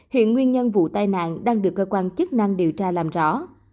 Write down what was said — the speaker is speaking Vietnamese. hiện nguyên nhân vụ tai nạn đang được cơ quan chức năng điều tra làm rõ